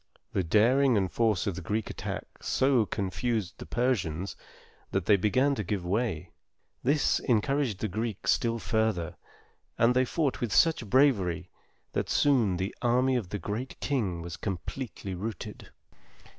The daring and force of the Greek attack so confused the Persians, that they began to give way. This encouraged the Greeks still further, and they fought with such bravery that soon the army of The Great King was completely routed.